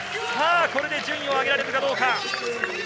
順位を上げられるかどうか。